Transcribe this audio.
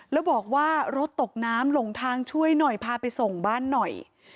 แล้วบอกว่ารถตกน้ำหลงทางช่วยหน่อยพาไปส่งบ้านหน่อย